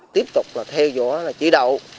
tiếp tục theo dõi chỉ đạo